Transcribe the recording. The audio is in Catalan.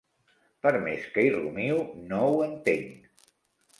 Per més que hi rumio, no ho entenc.